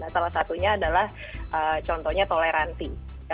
salah satunya adalah contohnya toleransi